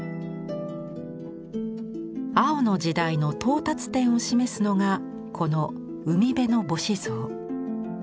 青の時代の到達点を示すのがこの「海辺の母子像」。